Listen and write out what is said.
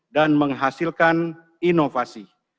dan menghasilkan inovasi